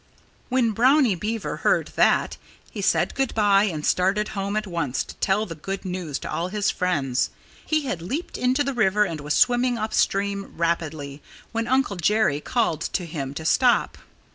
When Brownie Beaver heard that, he said good by and started home at once to tell the good news to all his friends. He had leaped into the river and was swimming up stream rapidly when Uncle Jerry called to him to stop.